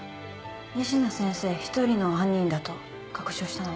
西名先生１人の犯人だと確証したのは？